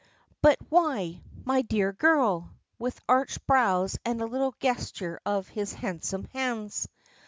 "But why, my dear girl?" with arched brows and a little gesture of his handsome hands.